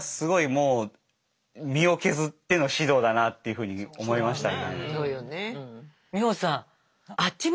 もう身を削っての指導だなっていうふうに思いましたね。